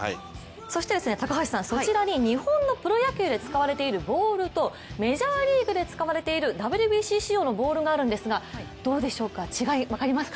そして高橋さん、そちらに日本のプロ野球で使われているボールとメジャーリーグで使われているＷＢＣ仕様のボールがあるんですがどうでしょうか、違い分かりますか？